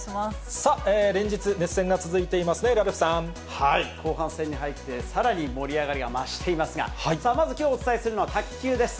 さあ、連日熱戦が続いていま後半戦に入って、さらに盛り上がりが増していますが、まずきょうお伝えするのは卓球です。